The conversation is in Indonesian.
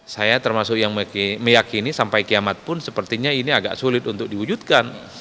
saya termasuk yang meyakini sampai kiamat pun sepertinya ini agak sulit untuk diwujudkan